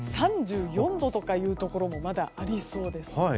３４度とかいうところもまだありそうです。